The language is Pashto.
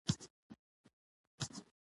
تعلیم نجونو ته د وطندوستۍ درس ورکوي.